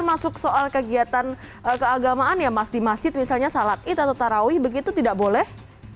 masuk soal kegiatan keagamaan ya mas di masjid misalnya salat id atau tarawih begitu tidak boleh